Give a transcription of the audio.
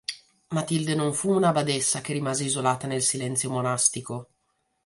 Matilde non fu una badessa che rimase isolata nel silenzio monastico.